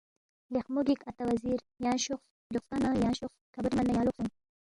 لیخمو گِک اتا وزیر یانگ شوخس، گیوخسپا نہ یانگ شوخس کھابوری من نہ یانگ لوقسے اونگ